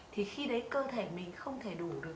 thì khi đấy cơ thể mình không thể đủ được